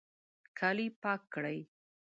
کالي پاک کړئ